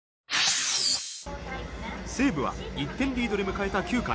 西武は１点リードで迎えた９回。